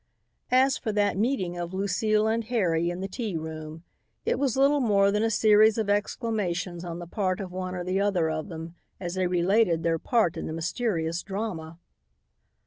As for that meeting of Lucile and Harry in the tea room, it was little more than a series of exclamations on the part of one or the other of them as they related their part in the mysterious drama.